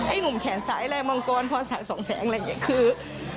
ไอ้หนุ่มแขนซ้ายและมังกรพรศักดิ์ส่องแสงอะไรอย่างนี้คือ